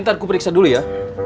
nanti aku periksa dulu ya